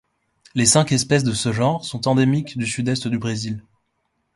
Les cinq espèces de ce genre sont endémiques du sud-est du Brésil.